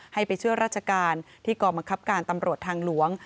ให้ไปช่วยราชการที่กองบังคับการตำรวจทางหลวง